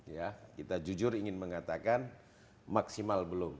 ya kita jujur ingin mengatakan maksimal belum